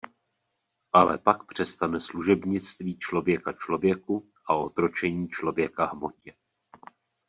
Ale pak přestane služebnictví člověka člověku a otročení člověka hmotě.